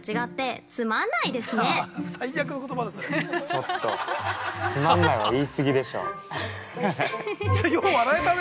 ◆ちょっと、つまんないは言い過ぎでしょう。